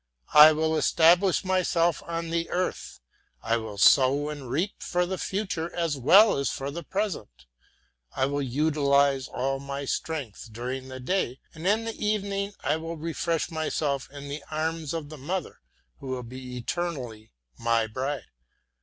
I will establish myself on the earth, I will sow and reap for the future as well as for the present. I will utilize all my strength during the day, and in the evening I will refresh myself in the arms of the mother, who will be eternally my bride.